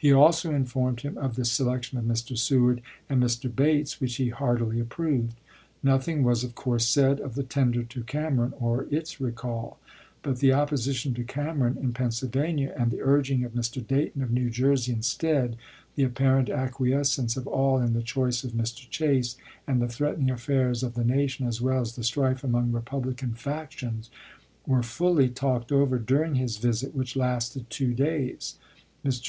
'p. 201.' He also informed him of the selection of Mr. Sew ard and Mr. Bates, which he heartily approved. Nothing was, of course, said of the tender to Cam eron or its recall ; but the opposition to Cameron in Pennsylvania and the urging of Mr. Dayton, of New Jersey, instead, the apparent acquiescence of all in the choice of Mr. Chase, and the threatening affairs of the nation as well as the strife among Republican factions, were fully talked over during his visit, which lasted two days. Mr.